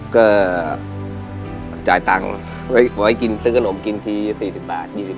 ก็จ่ายตังค์ไว้ซื้อการโรมกินที่๔๐๒๐บาทอย่างนี้